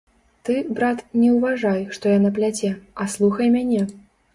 Ты, брат, не ўважай, што яна пляце, а слухай мяне.